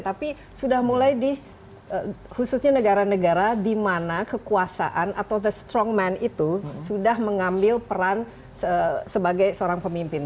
tapi sudah mulai di khususnya negara negara di mana kekuasaan atau the strong man itu sudah mengambil peran sebagai seorang pemimpin